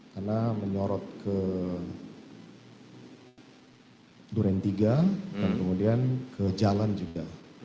karena menyorot ke duren tiga dan kemudian ke jalan juga